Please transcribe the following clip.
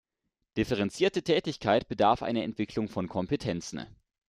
Differenzierte Tätigkeit bedarf einer Entwicklung von Kompetenzen.